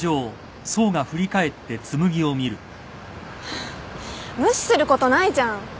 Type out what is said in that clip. ハァ無視することないじゃん。